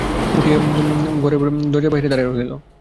উঠিয়া গিয়া দরজার বাহিরে দাড়াইয়া রহিল।